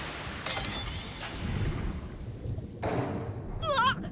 うわっ！